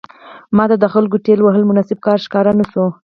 ماته د خلکو ټېل وهل مناسب کار ښکاره نه شو.